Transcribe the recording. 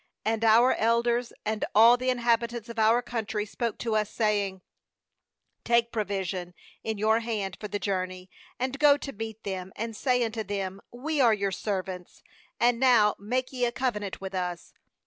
uAnd our elders and all the inhabitants of our country spoke to us, saying: Take provision in your hand for the journey, and go to meet them, and say unto them: We are your servants; and now; make ye a Covenant with us.